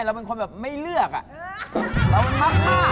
เราเป็นคนแบบไม่เลือกอะ